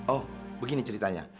oh begini ceritanya